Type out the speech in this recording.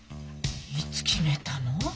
いつ決めたの？